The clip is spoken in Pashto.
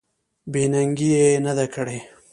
بې ننګي یې نه ده کړې.